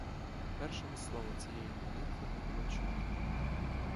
Першого слова цієї молитви не було чути.